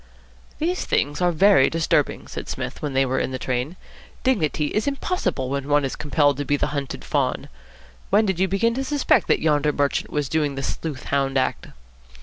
"These things are very disturbing," said Psmith, when they were in the train. "Dignity is impossible when one is compelled to be the Hunted Fawn. When did you begin to suspect that yonder merchant was doing the sleuth hound act?"